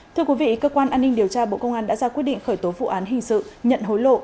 thưa quý vị cơ quan an ninh điều tra bộ công an đã ra quyết định khởi tố vụ án hình sự nhận hối lộ